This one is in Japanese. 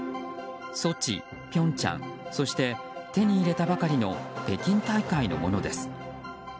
ソチ、平昌そして手に入れたばかりの北京大会のものです。